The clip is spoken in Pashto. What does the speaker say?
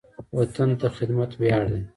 وطن ته خدمت ویاړ دی